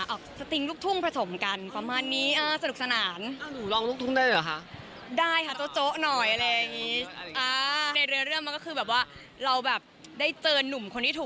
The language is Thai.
ลองดูละกันเพลงน้องว่าเจอดี